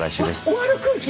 終わる空気！